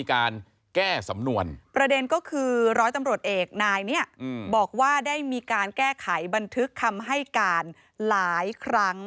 คือร้อยตำรวจเอกนายเนี่ยบอกว่าได้มีการแก้ไขบันทึกคำให้การหลายครั้ง